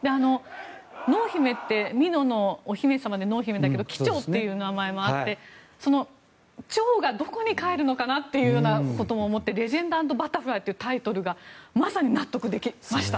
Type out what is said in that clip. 濃姫って美濃のお姫様で濃姫だけど帰蝶という名前もあってその蝶がどこに帰るのかなということも思って「レジェンド＆バタフライ」っていうタイトルがまさに納得できました。